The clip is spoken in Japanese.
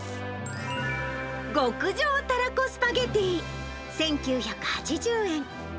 極上たらこスパゲティ１９８０円。